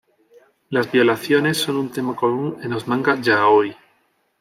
Las violaciones son un tema común en los manga yaoi.